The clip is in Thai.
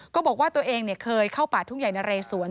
ก็บอกว่าตัวเองเคยเข้าป่าทุ่งใหญ่นะเรสวน